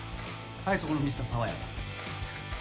はいそこのミスター爽やか。